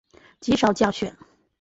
极少降雪。